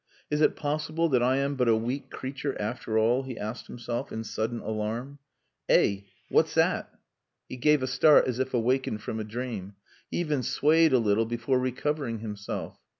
"Is it possible that I am but a weak creature after all?" he asked himself, in sudden alarm. "Eh! What's that?" He gave a start as if awakened from a dream. He even swayed a little before recovering himself.